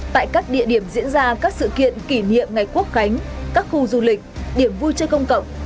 tại các địa điểm diễn ra các sự kiện kỷ niệm ngày quốc khánh các khu du lịch điểm vui chơi công cộng